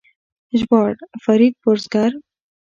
ژباړ: فرید بزګر